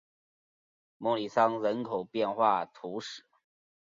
穆利桑人口变化图示